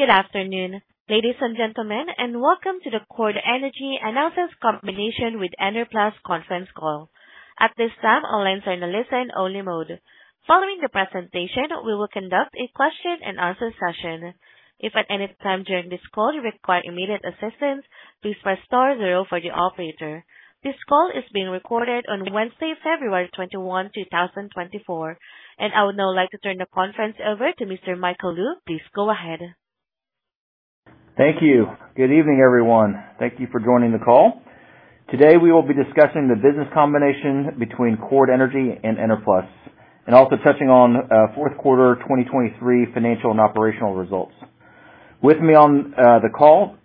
Good afternoon, ladies and gentlemen, and welcome to the Chord Energy announced combination with Enerplus conference call. At this time, all lines are in listen-only mode. Following the presentation, we will conduct a question-and-answer session. If at any time during this call you require immediate assistance, please press star zero for the operator. This call is being recorded on Wednesday, February 21, 2024, and I would now like to turn the conference over to Mr. Michael Lou. Please go ahead. Thank you. Good evening, everyone. Thank you for joining the call. Today we will be discussing the business combination between Chord Energy and Enerplus, and also touching on fourth quarter 2023 financial and operational results. With me on the call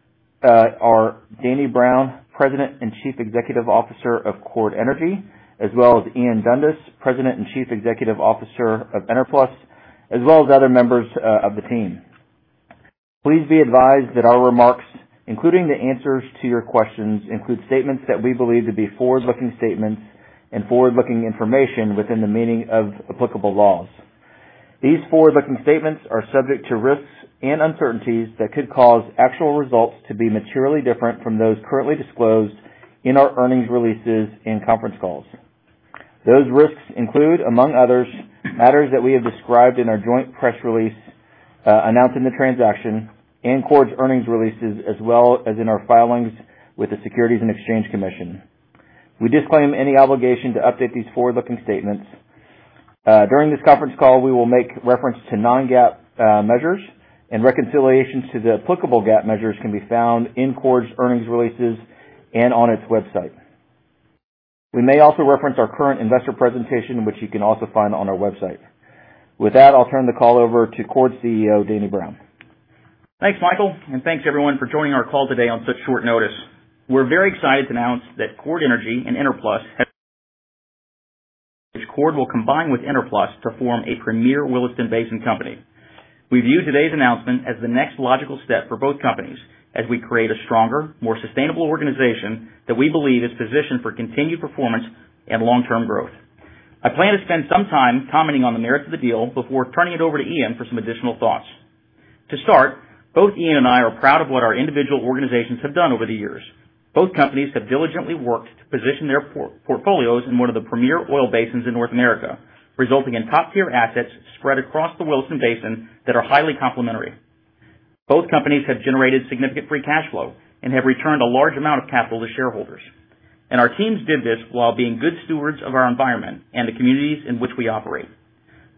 are Danny Brown, President and Chief Executive Officer of Chord Energy, as well as Ian Dundas, President and Chief Executive Officer of Enerplus, as well as other members of the team. Please be advised that our remarks, including the answers to your questions, include statements that we believe to be forward-looking statements and forward-looking information within the meaning of applicable laws. These forward-looking statements are subject to risks and uncertainties that could cause actual results to be materially different from those currently disclosed in our earnings releases and conference calls. Those risks include, among others, matters that we have described in our joint press release announcing the transaction and Chord's earnings releases, as well as in our filings with the Securities and Exchange Commission. We disclaim any obligation to update these forward-looking statements. During this conference call, we will make reference to non-GAAP measures, and reconciliations to the applicable GAAP measures can be found in Chord's earnings releases and on its website. We may also reference our current investor presentation, which you can also find on our website. With that, I'll turn the call over to Chord CEO Danny Brown. Thanks, Michael, and thanks, everyone, for joining our call today on such short notice. We're very excited to announce that Chord Energy and Enerplus have which Chord will combine with Enerplus to form a premier Williston Basin company. We view today's announcement as the next logical step for both companies as we create a stronger, more sustainable organization that we believe is positioned for continued performance and long-term growth. I plan to spend some time commenting on the merits of the deal before turning it over to Ian for some additional thoughts. To start, both Ian and I are proud of what our individual organizations have done over the years. Both companies have diligently worked to position their portfolios in one of the premier oil basins in North America, resulting in top-tier assets spread across the Williston Basin that are highly complementary. Both companies have generated significant free cash flow and have returned a large amount of capital to shareholders, and our teams did this while being good stewards of our environment and the communities in which we operate.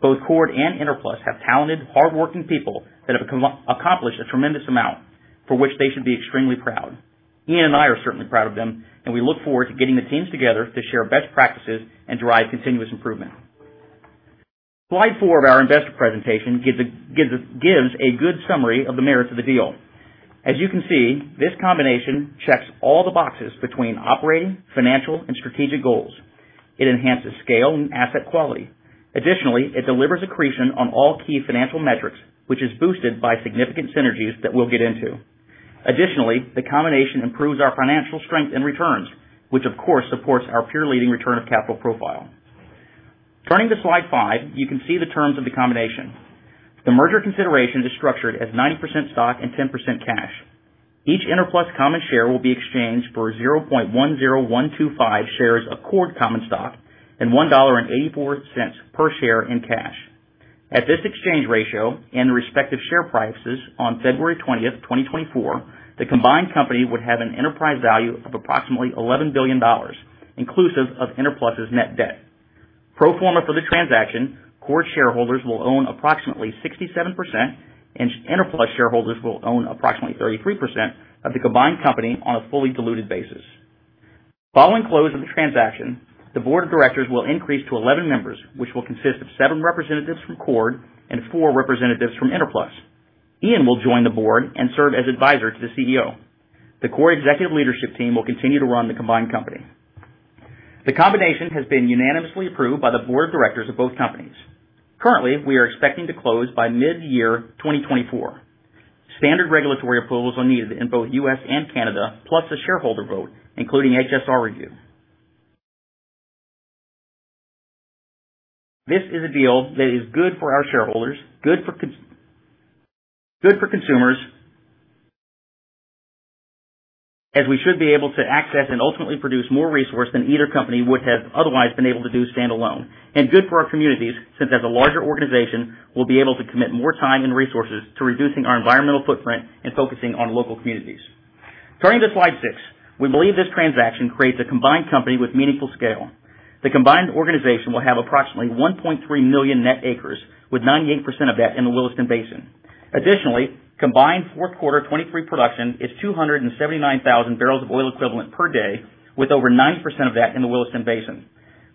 Both Chord and Enerplus have talented, hardworking people that have accomplished a tremendous amount for which they should be extremely proud. Ian and I are certainly proud of them, and we look forward to getting the teams together to share best practices and drive continuous improvement. Slide four of our investor presentation gives a good summary of the merits of the deal. As you can see, this combination checks all the boxes between operating, financial, and strategic goals. It enhances scale and asset quality. Additionally, it delivers accretion on all key financial metrics, which is boosted by significant synergies that we'll get into. Additionally, the combination improves our financial strength and returns, which, of course, supports our peer-leading return of capital profile. Turning to slide 5, you can see the terms of the combination. The merger consideration is structured as 90% stock and 10% cash. Each Enerplus common share will be exchanged for 0.10125 shares of Chord common stock and $1.84 per share in cash. At this exchange ratio and the respective share prices on February 20, 2024, the combined company would have an enterprise value of approximately $11 billion, inclusive of Enerplus's net debt. Pro forma for the transaction, Chord shareholders will own approximately 67%, and Enerplus shareholders will own approximately 33% of the combined company on a fully diluted basis. Following close of the transaction, the board of directors will increase to 11 members, which will consist of seven representatives from Chord and four representatives from Enerplus. Ian will join the board and serve as advisor to the CEO. The Chord executive leadership team will continue to run the combined company. The combination has been unanimously approved by the board of directors of both companies. Currently, we are expecting to close by mid-year 2024. Standard regulatory approvals are needed in both U.S. and Canada, plus a shareholder vote, including HSR review. This is a deal that is good for our shareholders, good for consumers, as we should be able to access and ultimately produce more resource than either company would have otherwise been able to do standalone, and good for our communities since as a larger organization, we'll be able to commit more time and resources to reducing our environmental footprint and focusing on local communities. Turning to slide six, we believe this transaction creates a combined company with meaningful scale. The combined organization will have approximately 1.3 million net acres, with 98% of that in the Williston Basin. Additionally, combined fourth quarter 2023 production is 279,000 barrels of oil equivalent per day, with over 90% of that in the Williston Basin.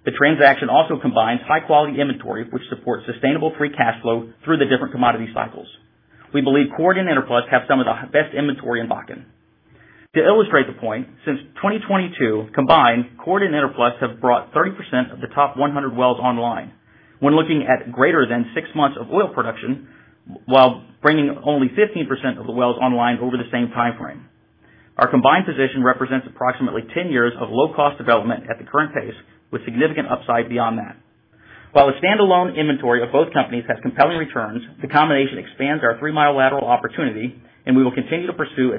The transaction also combines high-quality inventory, which supports sustainable free cash flow through the different commodity cycles. We believe Chord and Enerplus have some of the best inventory in Bakken. To illustrate the point, since 2022 combined, Chord and Enerplus have brought 30% of the top 100 wells online, when looking at greater than six months of oil production while bringing only 15% of the wells online over the same time frame. Our combined position represents approximately 10 years of low-cost development at the current pace, with significant upside beyond that. While the standalone inventory of both companies has compelling returns, the combination expands our three-mile lateral opportunity, and we will continue to pursue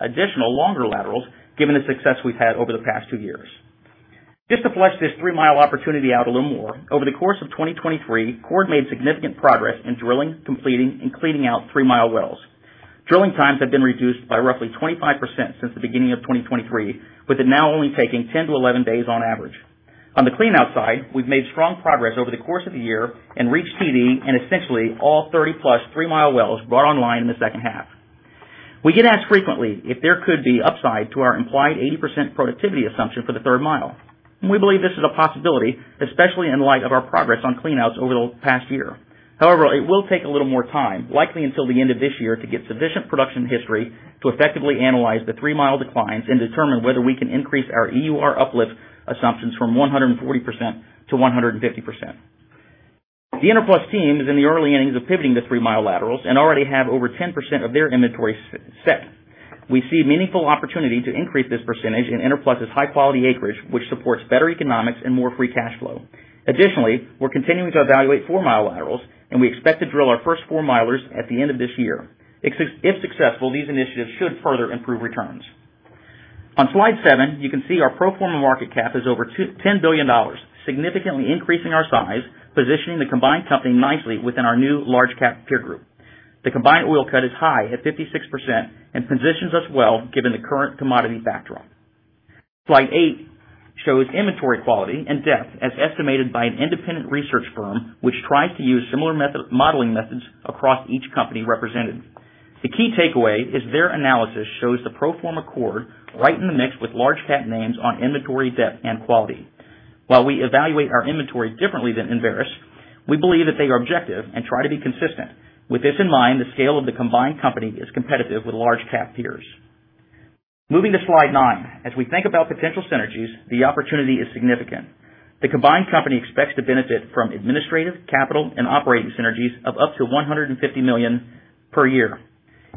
additional longer laterals given the success we've had over the past two years. Just to flesh this three-mile opportunity out a little more, over the course of 2023, Chord made significant progress in drilling, completing, and cleaning out three-mile wells. Drilling times have been reduced by roughly 25% since the beginning of 2023, with it now only taking 10-11 days on average. On the clean-out side, we've made strong progress over the course of the year and reached TD and essentially all 30+ three-mile wells brought online in the second half. We get asked frequently if there could be upside to our implied 80% productivity assumption for the third mile, and we believe this is a possibility, especially in light of our progress on clean-outs over the past year. However, it will take a little more time, likely until the end of this year, to get sufficient production history to effectively analyze the three-mile declines and determine whether we can increase our EUR uplift assumptions from 140%-150%. The Enerplus team is in the early innings of pivoting to three-mile laterals and already have over 10% of their inventory set. We see meaningful opportunity to increase this percentage in Enerplus's high-quality acreage, which supports better economics and more free cash flow. Additionally, we're continuing to evaluate four-mile laterals, and we expect to drill our first four-milers at the end of this year. If successful, these initiatives should further improve returns. On slide seven, you can see our pro forma market cap is over $10 billion, significantly increasing our size, positioning the combined company nicely within our new large-cap peer group. The combined oil cut is high at 56% and positions us well given the current commodity backdrop. Slide eight shows inventory quality and depth as estimated by an independent research firm which tries to use similar modeling methods across each company represented. The key takeaway is their analysis shows the pro forma Chord right in the mix with large-cap names on inventory depth and quality. While we evaluate our inventory differently than Enverus, we believe that they are objective and try to be consistent. With this in mind, the scale of the combined company is competitive with large-cap peers. Moving to slide nine, as we think about potential synergies, the opportunity is significant. The combined company expects to benefit from administrative, capital, and operating synergies of up to $150 million per year.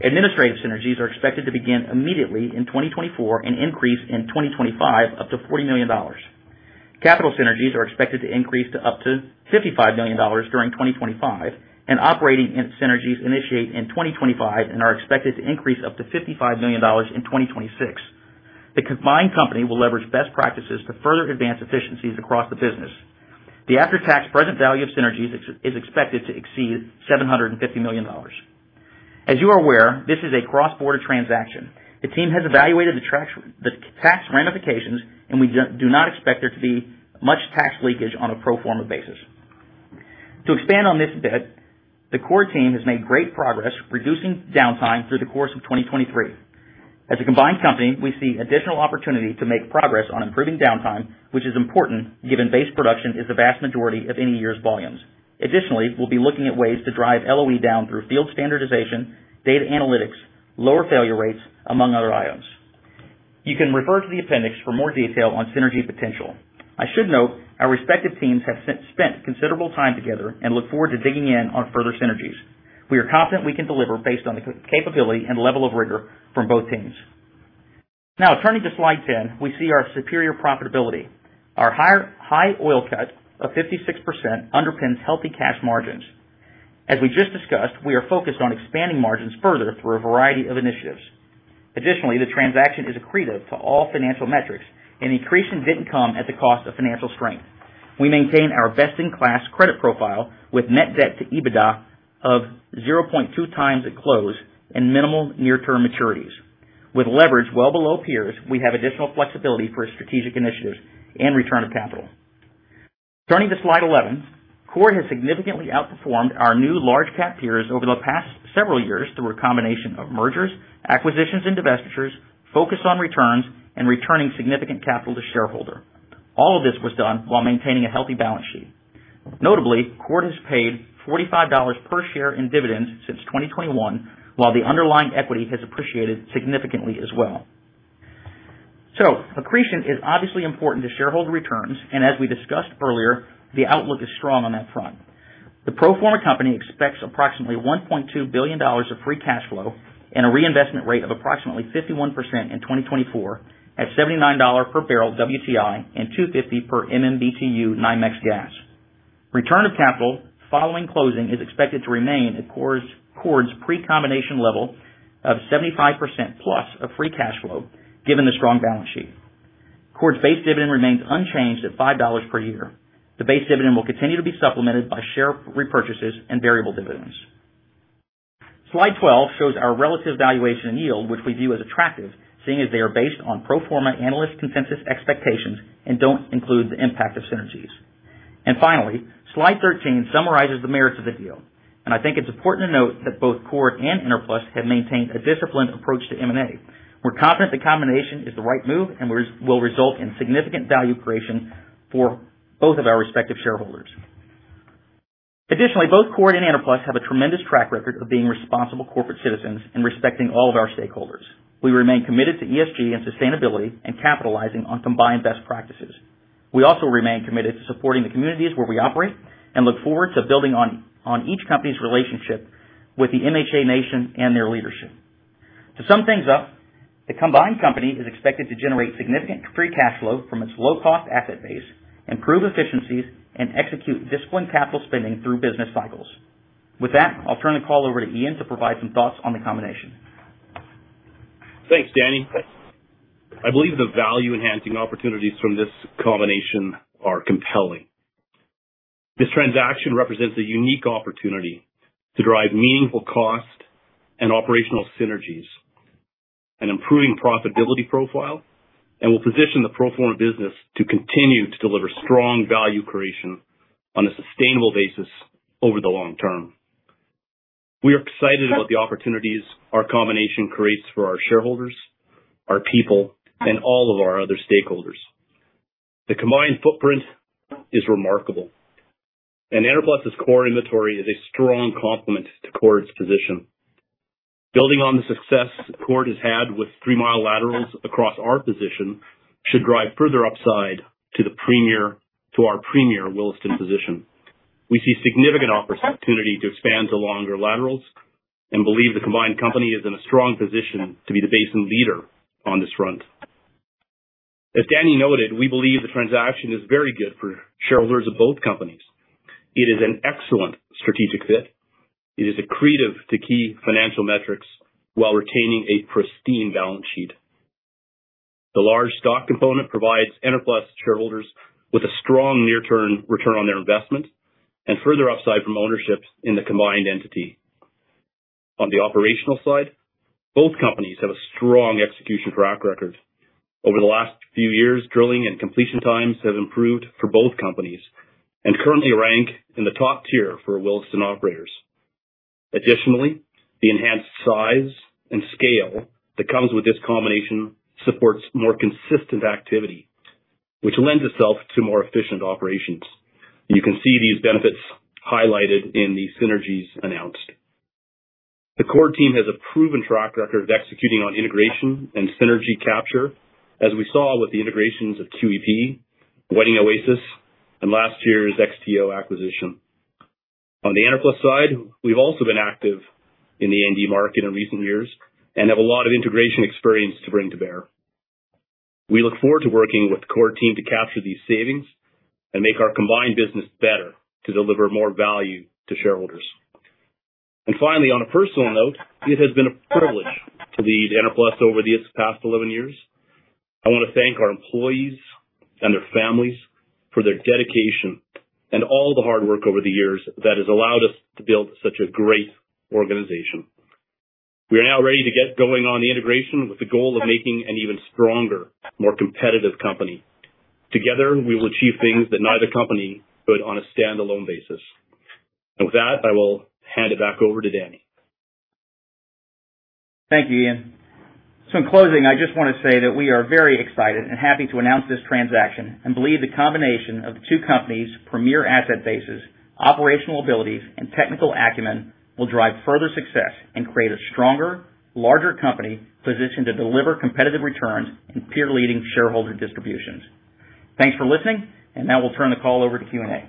Administrative synergies are expected to begin immediately in 2024 and increase in 2025 up to $40 million. Capital synergies are expected to increase to up to $55 million during 2025, and operating synergies initiate in 2025 and are expected to increase up to $55 million in 2026. The combined company will leverage best practices to further advance efficiencies across the business. The after-tax present value of synergies is expected to exceed $750 million. As you are aware, this is a cross-border transaction. The team has evaluated the tax ramifications, and we do not expect there to be much tax leakage on a pro forma basis. To expand on this bit, the Chord team has made great progress reducing downtime through the course of 2023. As a combined company, we see additional opportunity to make progress on improving downtime, which is important given base production is the vast majority of any year's volumes. Additionally, we'll be looking at ways to drive LOE down through field standardization, data analytics, lower failure rates, among other items. You can refer to the appendix for more detail on synergy potential. I should note our respective teams have spent considerable time together and look forward to digging in on further synergies. We are confident we can deliver based on the capability and level of rigor from both teams. Now, turning to slide 10, we see our superior profitability. Our high oil cut of 56% underpins healthy cash margins. As we just discussed, we are focused on expanding margins further through a variety of initiatives. Additionally, the transaction is accretive to all financial metrics, and the accretion didn't come at the cost of financial strength. We maintain our best-in-class credit profile with net debt to EBITDA of 0.2x at close and minimal near-term maturities. With leverage well below peers, we have additional flexibility for strategic initiatives and return of capital. Turning to slide 11, Chord has significantly outperformed our new large-cap peers over the past several years through a combination of mergers, acquisitions, and divestitures, focus on returns, and returning significant capital to shareholder. All of this was done while maintaining a healthy balance sheet. Notably, Chord has paid $45 per share in dividends since 2021, while the underlying equity has appreciated significantly as well. So accretion is obviously important to shareholder returns, and as we discussed earlier, the outlook is strong on that front. The pro forma company expects approximately $1.2 billion of free cash flow and a reinvestment rate of approximately 51% in 2024 at $79 per barrel WTI and $250 per MMBtu NYMEX gas. Return of capital following closing is expected to remain at Chord's pre-combination level of 75%+ of free cash flow given the strong balance sheet. Chord's base dividend remains unchanged at $5 per year. The base dividend will continue to be supplemented by share repurchases and variable dividends. Slide 12 shows our relative valuation and yield, which we view as attractive, seeing as they are based on pro forma analyst consensus expectations and don't include the impact of synergies. Finally, slide 13 summarizes the merits of the deal, and I think it's important to note that both Chord and Enerplus have maintained a disciplined approach to M&A. We're confident the combination is the right move and will result in significant value creation for both of our respective shareholders. Additionally, both Chord and Enerplus have a tremendous track record of being responsible corporate citizens and respecting all of our stakeholders. We remain committed to ESG and sustainability and capitalizing on combined best practices. We also remain committed to supporting the communities where we operate and look forward to building on each company's relationship with the MHA Nation and their leadership. To sum things up, the combined company is expected to generate significant free cash flow from its low-cost asset base, improve efficiencies, and execute disciplined capital spending through business cycles. With that, I'll turn the call over to Ian to provide some thoughts on the combination. Thanks, Danny. I believe the value-enhancing opportunities from this combination are compelling. This transaction represents a unique opportunity to drive meaningful cost and operational synergies, an improving profitability profile, and will position the pro forma business to continue to deliver strong value creation on a sustainable basis over the long term. We are excited about the opportunities our combination creates for our shareholders, our people, and all of our other stakeholders. The combined footprint is remarkable, and Enerplus's core inventory is a strong complement to Chord's position. Building on the success Chord has had with three-mile laterals across our position should drive further upside to our premier Williston position. We see significant opportunity to expand to longer laterals and believe the combined company is in a strong position to be the basin leader on this front. As Danny noted, we believe the transaction is very good for shareholders of both companies. It is an excellent strategic fit. It is accretive to key financial metrics while retaining a pristine balance sheet. The large stock component provides Enerplus shareholders with a strong near-term return on their investment and further upside from ownership in the combined entity. On the operational side, both companies have a strong execution track record. Over the last few years, drilling and completion times have improved for both companies and currently rank in the top tier for Williston operators. Additionally, the enhanced size and scale that comes with this combination supports more consistent activity, which lends itself to more efficient operations. You can see these benefits highlighted in the synergies announced. The Chord team has a proven track record of executing on integration and synergy capture, as we saw with the integrations of QEP, Whiting Oasis, and last year's XTO acquisition. On the Enerplus side, we've also been active in the A&D market in recent years and have a lot of integration experience to bring to bear. We look forward to working with the Chord team to capture these savings and make our combined business better to deliver more value to shareholders. Finally, on a personal note, it has been a privilege to lead Enerplus over the past 11 years. I want to thank our employees and their families for their dedication and all the hard work over the years that has allowed us to build such a great organization. We are now ready to get going on the integration with the goal of making an even stronger, more competitive company. Together, we will achieve things that neither company could on a standalone basis. With that, I will hand it back over to Danny. Thank you, Ian. So in closing, I just want to say that we are very excited and happy to announce this transaction and believe the combination of the two companies' premier asset bases, operational abilities, and technical acumen will drive further success and create a stronger, larger company positioned to deliver competitive returns in peer-leading shareholder distributions. Thanks for listening, and now we'll turn the call over to Q&A.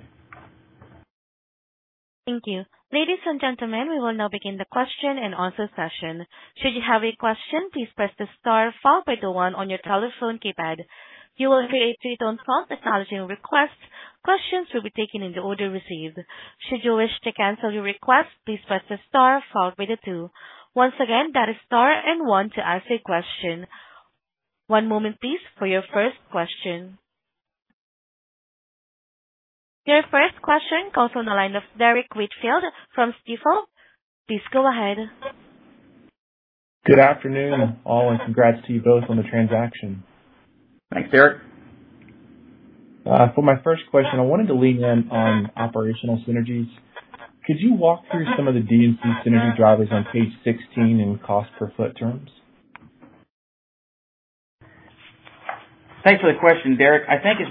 Thank you. Ladies and gentlemen, we will now begin the question and answer session. Should you have a question, please press the star followed by the one on your telephone keypad. You will hear a three-tone call technology request. Questions will be taken in the order received. Should you wish to cancel your request, please press the star followed by the two. Once again, that is star and one to ask a question. One moment, please, for your first question. Your first question calls on the line of Derrick Whitfield from Stifel. Please go ahead. Good afternoon, all, and congrats to you both on the transaction. Thanks, Derrick. For my first question, I wanted to lean in on operational synergies. Could you walk through some of the D&C synergy drivers on page 16 in cost per foot terms? Thanks for the question, Derrick. I think as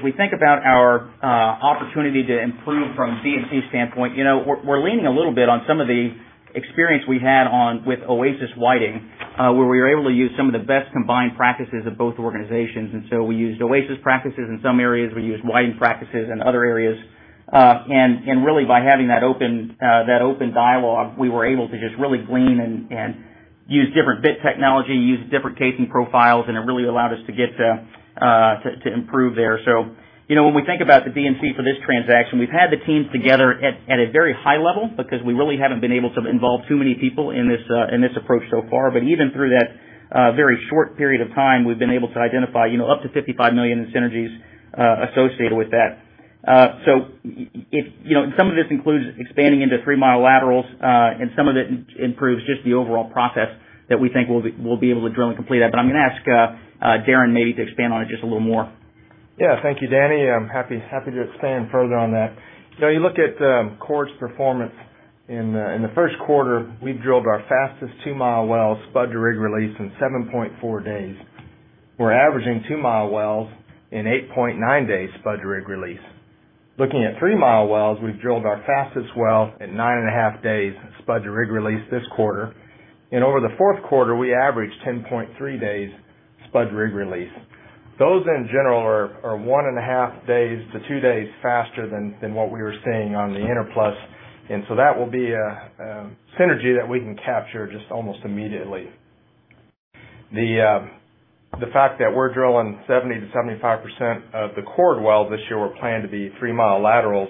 we think about our opportunity to improve from D&C standpoint, we're leaning a little bit on some of the experience we had with Oasis Whiting, where we were able to use some of the best combined practices of both organizations. And so we used Oasis practices in some areas. We used Whiting practices in other areas. And really, by having that open dialogue, we were able to just really glean and use different bit technology, use different casing profiles, and it really allowed us to get to improve there. So when we think about the D&C for this transaction, we've had the teams together at a very high level because we really haven't been able to involve too many people in this approach so far. But even through that very short period of time, we've been able to identify up to $55 million in synergies associated with that. So some of this includes expanding into three-mile laterals, and some of it improves just the overall process that we think we'll be able to drill and complete that. But I'm going to ask Darrin maybe to expand on it just a little more. Yeah, thank you, Danny. I'm happy to expand further on that. You look at Chord's performance in the first quarter, we've drilled our fastest two-mile wells, spud to rig release, in 7.4 days. We're averaging two-mile wells in 8.9 days spud to rig release. Looking at three-mile wells, we've drilled our fastest well at 9.5 days spud to rig release this quarter. And over the fourth quarter, we averaged 10.3 days spud to rig release. Those, in general, are 1.5 days to two days faster than what we were seeing on the Enerplus. And so that will be a synergy that we can capture just almost immediately. The fact that we're drilling 70%-75% of the Chord wells this year were planned to be three-mile laterals.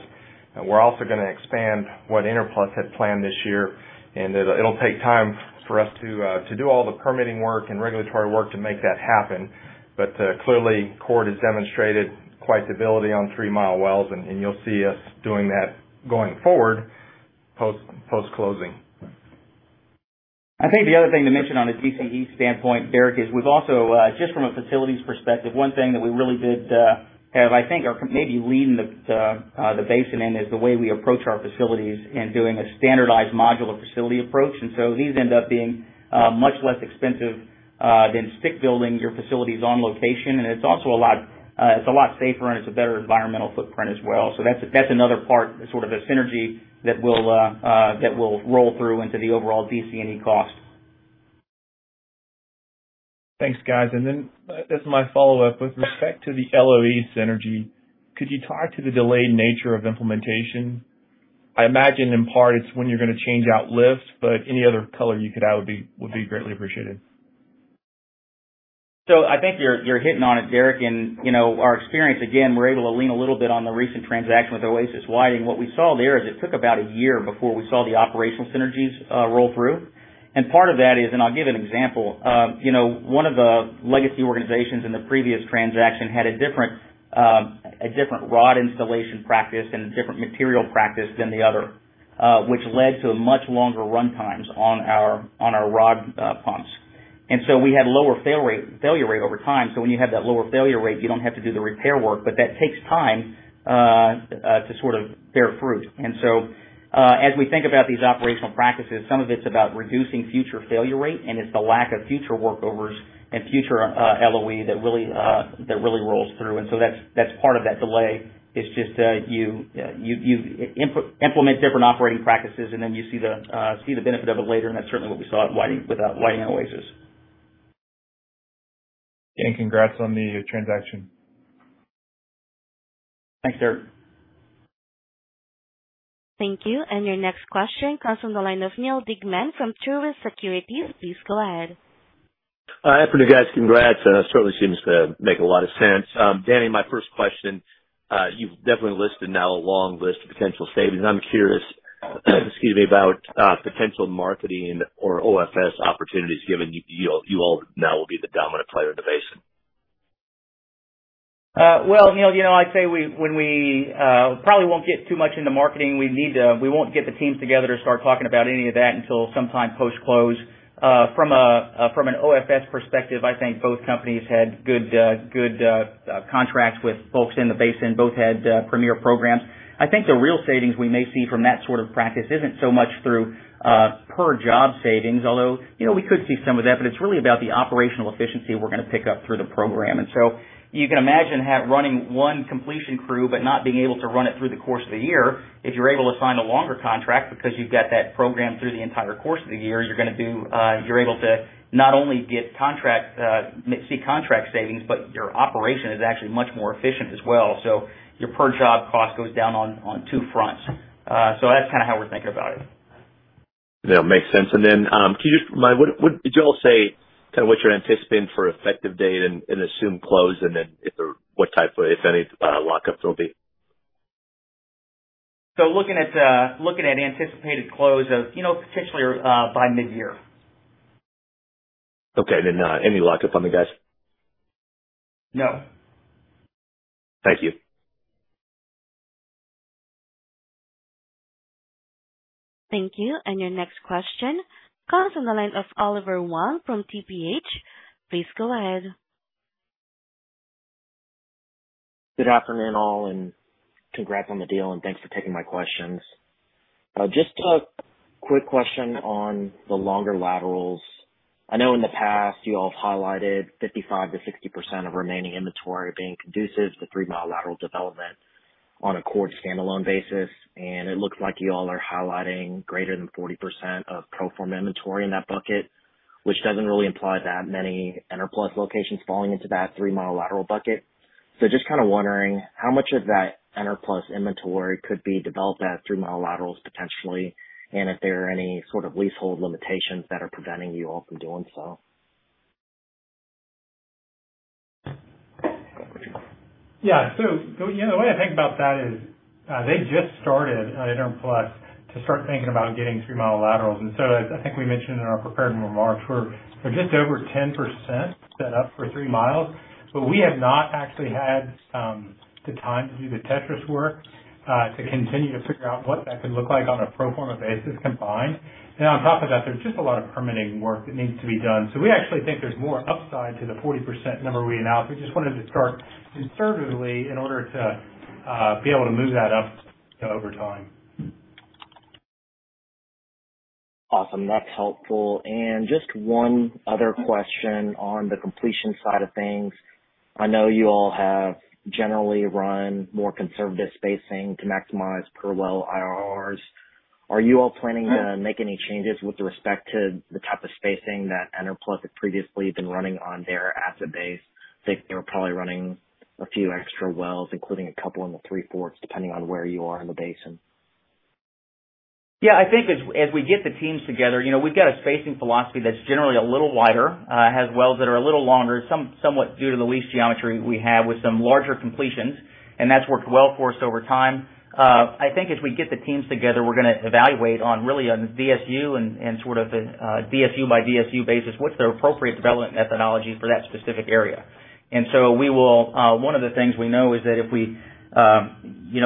We're also going to expand what Enerplus had planned this year. It'll take time for us to do all the permitting work and regulatory work to make that happen. Clearly, Chord has demonstrated quite the ability on three-mile wells, and you'll see us doing that going forward post-closing. I think the other thing to mention on a D&C standpoint, Derrick, is we've also, just from a facilities perspective, one thing that we really did have, I think, or maybe leading the basin in, is the way we approach our facilities in doing a standardized modular facility approach. And so these end up being much less expensive than stick building your facilities on location. And it's also a lot safer, and it's a better environmental footprint as well. So that's another part, sort of a synergy, that will roll through into the overall D&C&E cost. Thanks, guys. And then as my follow-up, with respect to the LOE synergy, could you talk to the delayed nature of implementation? I imagine in part it's when you're going to change out lifts, but any other color you could add would be greatly appreciated. So I think you're hitting on it, Derrick. In our experience, again, we're able to lean a little bit on the recent transaction with Oasis Whiting. What we saw there is it took about a year before we saw the operational synergies roll through. And part of that is, and I'll give an example, one of the legacy organizations in the previous transaction had a different rod installation practice and a different material practice than the other, which led to much longer runtimes on our rod pumps. And so we had lower failure rate over time. So when you have that lower failure rate, you don't have to do the repair work, but that takes time to sort of bear fruit. And so as we think about these operational practices, some of it's about reducing future failure rate, and it's the lack of future workovers and future LOE that really rolls through. And so that's part of that delay, is just you implement different operating practices, and then you see the benefit of it later. And that's certainly what we saw with Whiting and Oasis. Thank you guys, congrats on the transaction. Thanks, Derek. Thank you. And your next question comes from the line of Neal Dingmann from Truist Securities. Please go ahead. After you guys. Congrats. It certainly seems to make a lot of sense. Danny, my first question, you've definitely listed now a long list of potential savings. I'm curious, excuse me, about potential marketing or OFS opportunities, given you all now will be the dominant player in the basin. Well, Neal, I'd say when we probably won't get too much into marketing. We won't get the teams together to start talking about any of that until sometime post-close. From an OFS perspective, I think both companies had good contracts with folks in the basin. Both had premier programs. I think the real savings we may see from that sort of practice isn't so much through per job savings, although we could see some of that. But it's really about the operational efficiency we're going to pick up through the program. And so you can imagine running one completion crew but not being able to run it through the course of the year. If you're able to sign a longer contract because you've got that program through the entire course of the year, you're able to not only see contract savings, but your operation is actually much more efficient as well. So your per job cost goes down on two fronts. So that's kind of how we're thinking about it. That makes sense. Then can you just remind me, would you all say kind of what your anticipated for effective date and assume close and then what type, if any, lockups there'll be? Looking at anticipated close of potentially by mid-year. Okay. And then any lockup on the guys? No. Thank you. Thank you. Your next question comes on the line of Oliver Huang from TPH. Please go ahead. Good afternoon, all, and congrats on the deal, and thanks for taking my questions. Just a quick question on the longer laterals. I know in the past, you all have highlighted 55%-60% of remaining inventory being conducive to three-mile lateral development on a Chord standalone basis. It looks like you all are highlighting greater than 40% of pro forma inventory in that bucket, which doesn't really imply that many Enerplus locations falling into that three-mile lateral bucket. Just kind of wondering, how much of that Enerplus inventory could be developed at three-mile laterals potentially, and if there are any sort of leasehold limitations that are preventing you all from doing so? Yeah. So the way I think about that is they just started at Enerplus to start thinking about getting three-mile laterals. And so as I think we mentioned in our prepared remarks, we're just over 10% set up for three miles. But we have not actually had the time to do the Tetris work to continue to figure out what that could look like on a pro forma basis combined. And on top of that, there's just a lot of permitting work that needs to be done. So we actually think there's more upside to the 40% number we announced. We just wanted to start conservatively in order to be able to move that up over time. Awesome. That's helpful. Just one other question on the completion side of things. I know you all have generally run more conservative spacing to maximize per well IRRs. Are you all planning to make any changes with respect to the type of spacing that Enerplus had previously been running on their asset base? I think they were probably running a few extra wells, including a couple in the three-fourths, depending on where you are in the basin. Yeah. I think as we get the teams together, we've got a spacing philosophy that's generally a little wider, has wells that are a little longer, somewhat due to the lease geometry we have with some larger completions. And that's worked well for us over time. I think as we get the teams together, we're going to evaluate really on DSU and sort of a DSU-by-DSU basis, what's the appropriate development methodology for that specific area. And so one of the things we know is that if we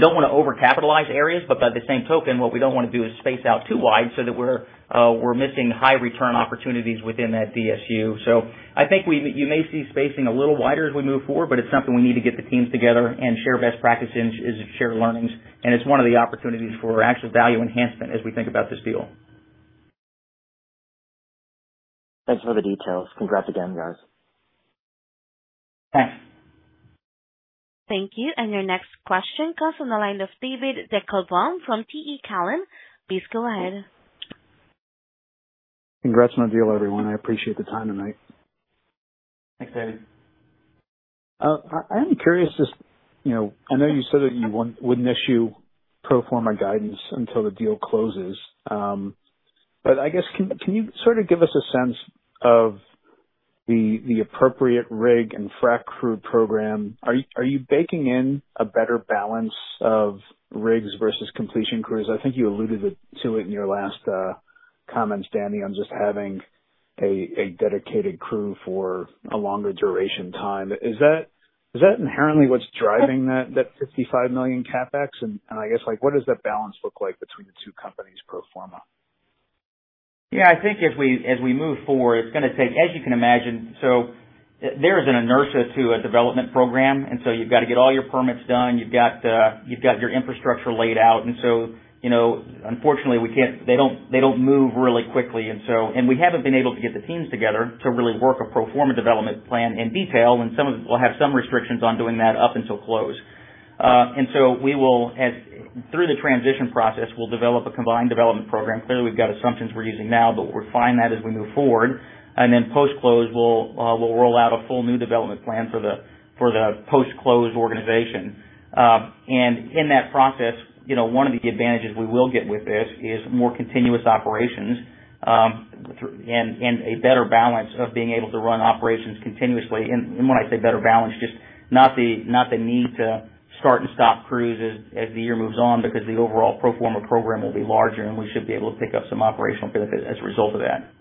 don't want to overcapitalize areas. But by the same token, what we don't want to do is space out too wide so that we're missing high return opportunities within that DSU. I think you may see spacing a little wider as we move forward, but it's something we need to get the teams together and share best practices and share learnings. It's one of the opportunities for actual value enhancement as we think about this deal. Thanks for the details. Congrats again, guys. Thanks. Thank you. And your next question comes on the line of David Deckelbaum from TD Cowen. Please go ahead. Congrats on the deal, everyone. I appreciate the time tonight. Thanks, David. I am curious. Just, I know you said that you wouldn't issue pro forma guidance until the deal closes. But I guess, can you sort of give us a sense of the appropriate rig and frac crew program? Are you baking in a better balance of rigs versus completion crews? I think you alluded to it in your last comments, Danny, on just having a dedicated crew for a longer duration time. Is that inherently what's driving that $55 million CapEx? And I guess, what does that balance look like between the two companies, pro forma? Yeah. I think as we move forward, it's going to take, as you can imagine, so there is an inertia to a development program. And so you've got to get all your permits done. You've got your infrastructure laid out. And so unfortunately, they don't move really quickly. And we haven't been able to get the teams together to really work a proforma development plan in detail. And some of them will have some restrictions on doing that up until close. And so through the transition process, we'll develop a combined development program. Clearly, we've got assumptions we're using now, but we'll refine that as we move forward. And then post-close, we'll roll out a full new development plan for the post-close organization. In that process, one of the advantages we will get with this is more continuous operations and a better balance of being able to run operations continuously. When I say better balance, just not the need to start and stop crews as the year moves on because the overall pro forma program will be larger, and we should be able to pick up some operational benefit as a result of that.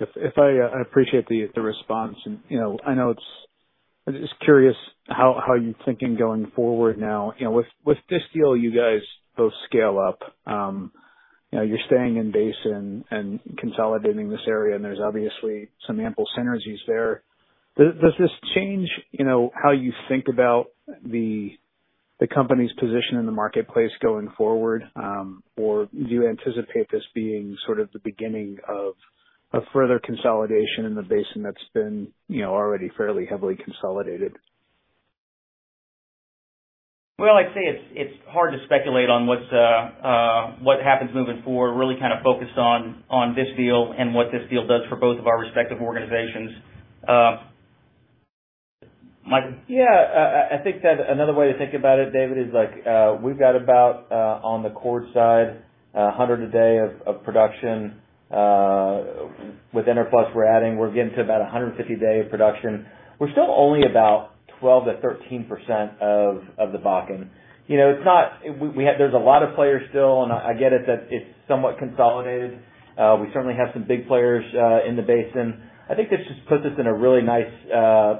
I appreciate the response. I know it's just curious how you're thinking going forward now. With this deal, you guys both scale up. You're staying in basin and consolidating this area, and there's obviously some ample synergies there. Does this change how you think about the company's position in the marketplace going forward? Or do you anticipate this being sort of the beginning of further consolidation in the basin that's been already fairly heavily consolidated? Well, I'd say it's hard to speculate on what happens moving forward, really kind of focused on this deal and what this deal does for both of our respective organizations. Michael? Yeah. I think that another way to think about it, David, is we've got about, on the Chord side, 100 a day of production. With Enerplus, we're getting to about 150 a day of production. We're still only about 12%-13% of the Bakken. There's a lot of players still, and I get it that it's somewhat consolidated. We certainly have some big players in the basin. I think this just puts us in a really nice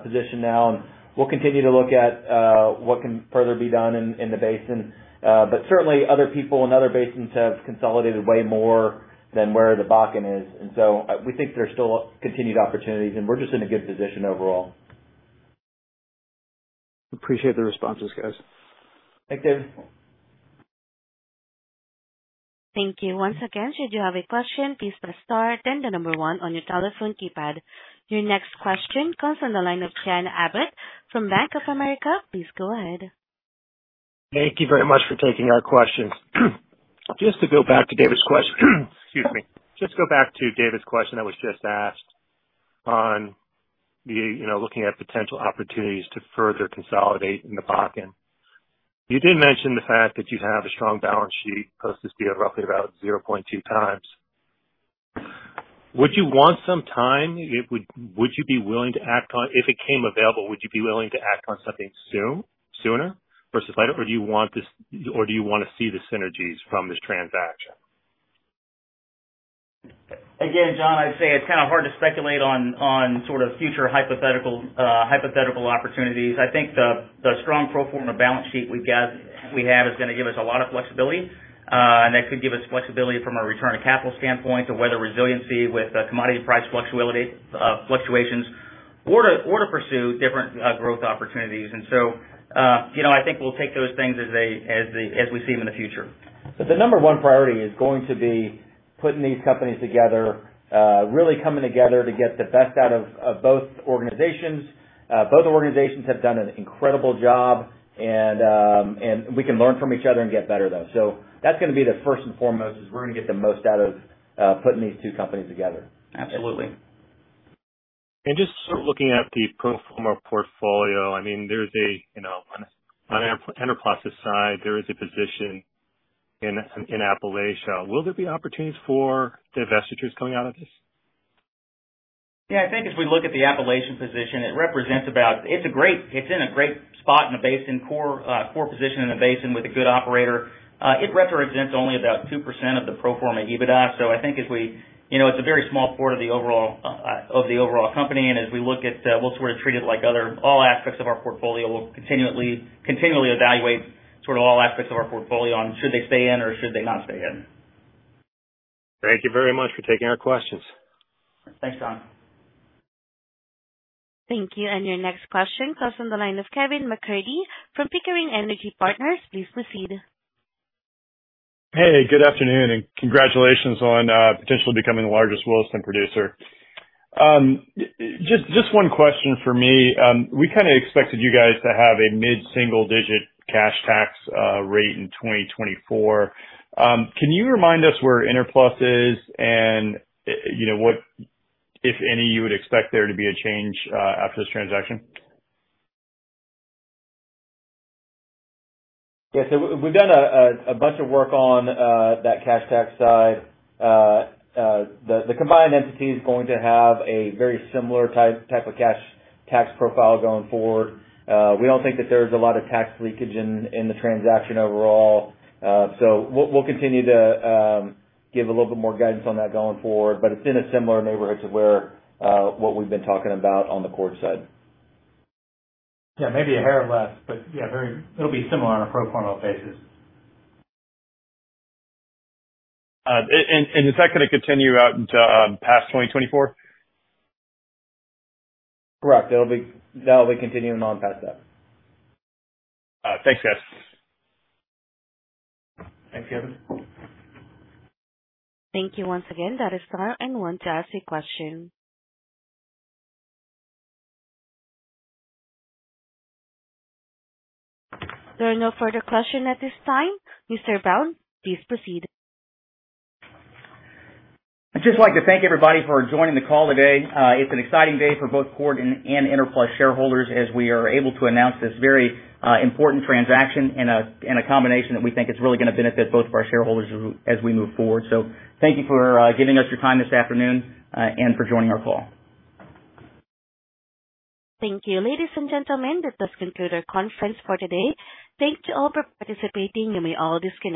position now. And we'll continue to look at what can further be done in the basin. But certainly, other people in other basins have consolidated way more than where the Bakken is. And so we think there's still continued opportunities, and we're just in a good position overall. Appreciate the responses, guys. Thanks, David. Thank you. Once again, should you have a question, please press star and the number one on your telephone keypad. Your next question comes on the line of John Abbott from Bank of America. Please go ahead. Thank you very much for taking our questions. Just to go back to David's question, excuse me. Just to go back to David's question that was just asked on looking at potential opportunities to further consolidate in the Bakken, you did mention the fact that you have a strong balance sheet post this deal roughly about 0.2x. Would you want some time? Would you be willing to act on if it came available, would you be willing to act on something sooner versus later? Or do you want this or do you want to see the synergies from this transaction? Again, John, I'd say it's kind of hard to speculate on sort of future hypothetical opportunities. I think the strong pro forma balance sheet we have is going to give us a lot of flexibility. And that could give us flexibility from a return-to-capital standpoint to weather resiliency with commodity price fluctuations or to pursue different growth opportunities. And so I think we'll take those things as we see them in the future. So the number one priority is going to be putting these companies together, really coming together to get the best out of both organizations. Both organizations have done an incredible job, and we can learn from each other and get better, though. So that's going to be the first and foremost, is we're going to get the most out of putting these two companies together. Absolutely. Just sort of looking at the pro forma portfolio, I mean, there's on Enerplus's side, there is a position in Appalachia. Will there be opportunities for divestitures coming out of this? Yeah. I think if we look at the Appalachian position, it represents about it's in a great spot in the basin, core position in the basin with a good operator. It represents only about 2% of the pro forma EBITDA. So I think as we it's a very small part of the overall company. And as we look at we'll sort of treat it like other all aspects of our portfolio. We'll continually evaluate sort of all aspects of our portfolio on should they stay in or should they not stay in. Thank you very much for taking our questions. Thanks, John. Thank you. And your next question comes on the line of Kevin MacCurdy from Pickering Energy Partners. Please proceed. Hey. Good afternoon and congratulations on potentially becoming the largest Williston producer. Just one question for me. We kind of expected you guys to have a mid-single-digit cash tax rate in 2024. Can you remind us where Enerplus is and what, if any, you would expect there to be a change after this transaction? Yeah. So we've done a bunch of work on that cash tax side. The combined entity is going to have a very similar type of cash tax profile going forward. We don't think that there's a lot of tax leakage in the transaction overall. So we'll continue to give a little bit more guidance on that going forward. But it's in a similar neighborhood to what we've been talking about on the Chord side. Yeah. Maybe a hair less, but yeah, it'll be similar on a pro forma basis. Is that going to continue out past 2024? Correct. That'll be continuing on past that. Thanks, guys. Thanks, Kevin. Thank you once again. That is the end. One to ask a question. There are no further questions at this time. Mr. Brown, please proceed. I'd just like to thank everybody for joining the call today. It's an exciting day for both Chord and Enerplus shareholders as we are able to announce this very important transaction in a combination that we think is really going to benefit both of our shareholders as we move forward. So thank you for giving us your time this afternoon and for joining our call. Thank you, ladies and gentlemen. That this concludes our conference for today. Thank you all for participating. You may all discuss.